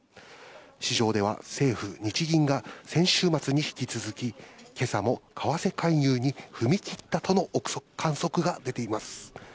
市場では政府・日銀が先週末に引き続き、今朝も為替介入に踏み切ったとの観測が出ています。